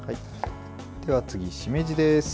では次、しめじです。